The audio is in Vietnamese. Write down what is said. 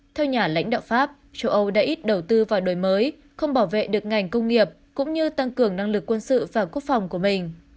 theo nhà lãnh đạo pháp châu âu đã ít đầu tư vào đổi mới không bảo vệ được ngành công nghiệp cũng như tăng cường năng lực quân sự và quốc phòng của mình